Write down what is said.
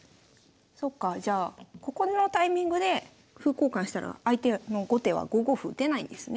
そっかじゃあここのタイミングで歩交換したら相手の後手は５五歩打てないんですね。